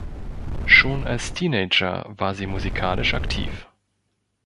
Schon als Teenager war sie musikalisch aktiv.